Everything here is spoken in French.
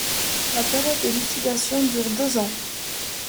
La période de liquidation dure deux ans.